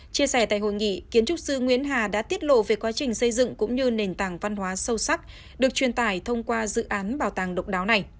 chia sẻ tại hội nghị kiến trúc sư nguyễn hà đã tiết lộ về quá trình xây dựng cũng như nền tảng văn hóa sâu sắc được truyền tải thông qua dự án bảo tàng độc đáo này